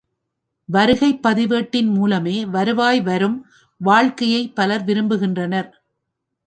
வருகைப் பதிவேட்டின் மூலமே வருவாய் வரும் வாழ்க்கையைப் பலர் விரும்புகின்றனர்.